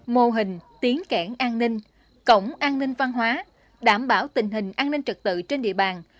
mô hình tiến kẻn an ninh cổng an ninh văn hóa đảm bảo tình hình an ninh trật tự trên địa bàn